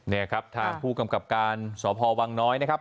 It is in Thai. นี่ครับทางผู้กำกับการสพวังน้อยนะครับ